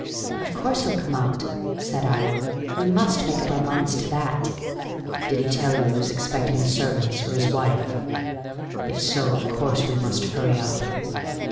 "Of course he'll come out," said I. "We must make up our minds to that." "Did he tell you he was expecting the servants or his wife? If so, of course we must hurry up."